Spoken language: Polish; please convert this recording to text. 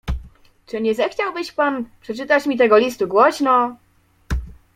"Czy nie zechciałbyś pan przeczytać mi tego listu głośno?"